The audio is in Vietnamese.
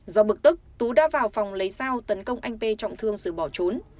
do bực tức tú đã vào phòng lấy sao tấn công anh p trọng thương giữa bỏ trốn